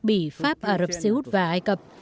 bỉ pháp ả rập xê út và ai cập